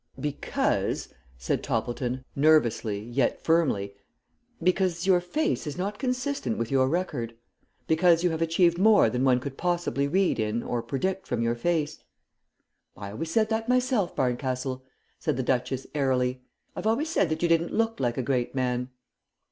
"Because," said Toppleton nervously yet firmly, "because your face is not consistent with your record. Because you have achieved more than one could possibly read in or predict from your face." "I always said that myself, Barncastle," said the duchess airily. "I've always said you didn't look like a great man."